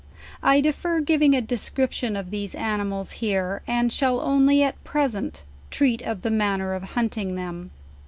I defer giving a description of these animals here, and shall only; at present, treat of the manner of hunting them.